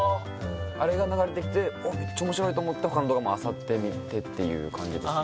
あれが流れてきて「めっちゃおもしろい」と思って他の動画もあさってみてっていう感じですね